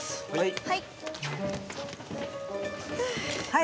はい。